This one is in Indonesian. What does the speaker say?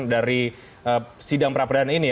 dari sidang peradilan ini